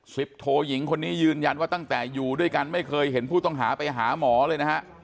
โทยิงคนนี้ยืนยันว่าตั้งแต่อยู่ด้วยกันไม่เคยเห็นผู้ต้องหาไปหาหมอเลยนะฮะ